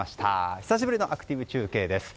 久しぶりのアクティブ中継です。